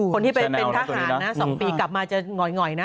คนที่ไปเป็นทหารนะ๒ปีกลับมาจะหง่อยนะ